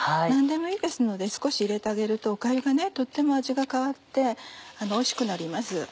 何でもいいですので少し入れてあげるとおかゆがとっても味が変わっておいしくなります。